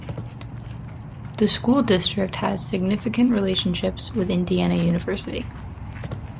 The school district has significant relationships with Indiana University.